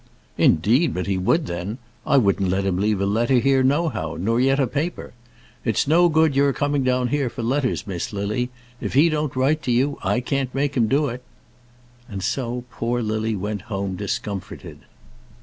"Indeed but he would then. I wouldn't let him leave a letter here no how, nor yet a paper. It's no good you're coming down here for letters, Miss Lily. If he don't write to you, I can't make him do it." And so poor Lily went home discomforted.